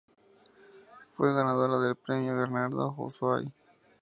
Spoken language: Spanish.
Fue ganadora del Premio Bernardo Houssay.